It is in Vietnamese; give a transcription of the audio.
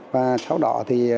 và sau đó